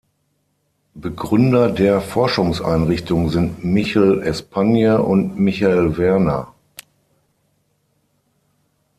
Begründer der Forschungsrichtung sind Michel Espagne und Michael Werner.